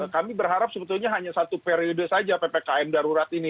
kami berharap sebetulnya hanya satu periode saja ppkm darurat ini